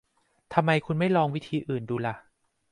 ทำไมคุณไม่ลองวิธีอื่นดูล่ะ